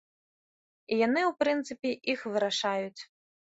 І яны, у прынцыпе, іх вырашаюць.